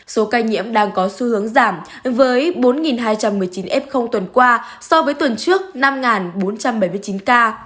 số ca nhiễm đang có xu hướng giảm với bốn hai trăm một mươi chín f tuần qua so với tuần trước năm bốn trăm bảy mươi chín ca